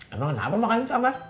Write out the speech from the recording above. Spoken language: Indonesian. emang kenapa makan di kamar